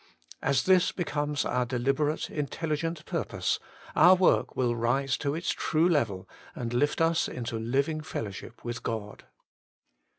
As this becomes our de hberate, intelligent purpose, our work will rise to its true level, and lift us into living fellowship with God.